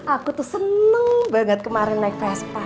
aku tuh seneng banget kemarin naik vespa